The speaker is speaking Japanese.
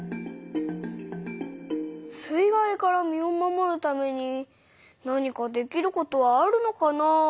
水害から身を守るために何かできることはあるのかなあ？